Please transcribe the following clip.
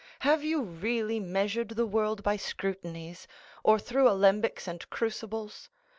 Have you really measured the world by scrutinies, or through alembics and crucibles?